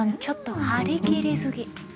ちょっと張り切りすぎ。